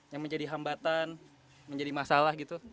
yang menjadi hambatan menjadi masalah gitu